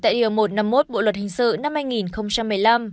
tại điều một trăm năm mươi một bộ luật hình sự năm